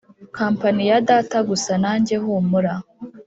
company ya data gusa nanjye humura